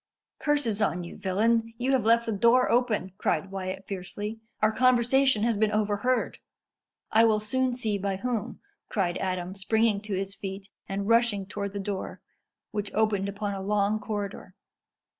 "Curses on you, villain! you have left the door open," cried Wyat fiercely. "Our conversation has been overheard." "I will soon see by whom," cried Adam, springing to his feet, and rushing towards the door, which opened upon a long corridor.